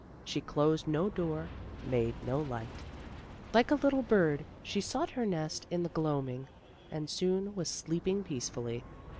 She closed no door, made no light. Like a little bird she THE TIME OF ROSES 17 sought her nest in the gloaming and soon was sleeping peacefully.